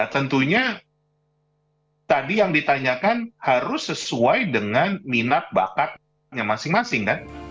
tentunya tadi yang ditanyakan harus sesuai dengan minat bakatnya masing masing kan